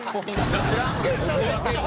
知らんけど。